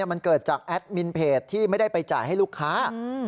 มันเกิดจากแอดมินเพจที่ไม่ได้ไปจ่ายให้ลูกค้า